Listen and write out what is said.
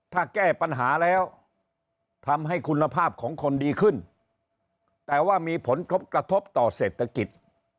ถ้าแก้ปัญหาแล้วทำให้คุณภาพของคนดีขึ้นแต่ว่ามีผลกระทบต่อเศรษฐกิจ